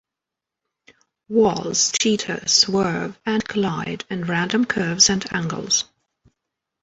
Walls teeter, swerve, and collide in random curves and angles.